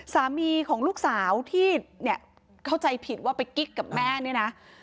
สามีของลูกสาวที่เนี่ยเข้าใจผิดว่าไปกิ๊กกับแม่เนี่ยนะ